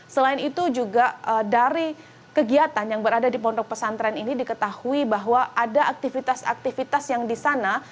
selain itu juga dari kegiatan yang berada di pondok pesantren ini diketahui bahwa ada aktivitas aktivitas yang di sana